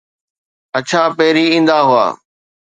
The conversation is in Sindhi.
اڇا پهرين ايندا هئا.